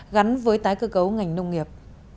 gắn với tái cơ cấu ngành nông nghiệp